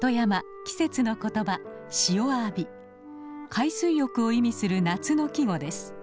海水浴を意味する夏の季語です。